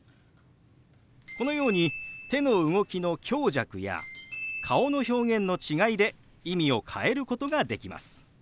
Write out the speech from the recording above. このように手の動きの強弱や顔の表現の違いで意味を変えることができます。